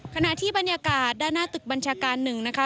ขณะที่บรรยากาศด้านหน้าตึกบัญชาการหนึ่งนะคะ